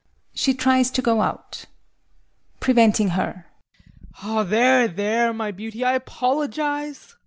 [She tries to go out.] VOITSKI. [Preventing her] There, there, my beauty, I apologise.